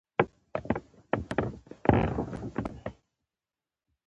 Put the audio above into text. ایا مصنوعي ځیرکتیا د شخصي ازادۍ احساس نه کموي؟